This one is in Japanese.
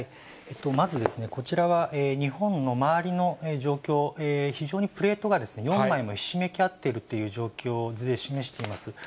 まず、こちらは、日本の周りの状況、非常にプレートが４枚もひしめき合ってるという状況を図で示しています。